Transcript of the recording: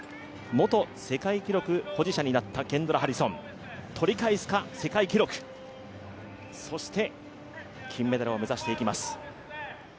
元世界記録保持者になったケンドラ・ハリソン、取り返すか世界記録、そして金メダルを目指していきます。